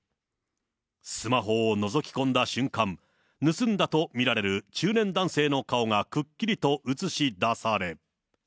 スマホをのぞき込んだ瞬間、盗んだと見られる中年男性の顔がくっきりと映し出され。